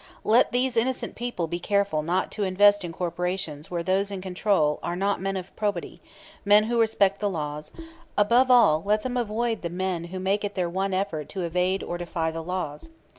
Let these innocent people be careful not to invest in corporations where those in control are not men of probity, men who respect the laws; above all let them avoid the men who make it their one effort to evade or defy the laws.